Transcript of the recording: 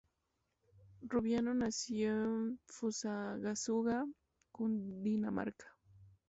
Rubiano nació en Fusagasugá, Cundinamarca.